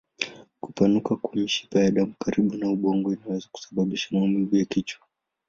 Kupanuka kwa mishipa ya damu karibu na ubongo inaweza kusababisha maumivu ya kichwa.